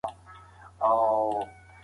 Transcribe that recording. د بدن غړي بېلابېلې دندې سرته رسوي.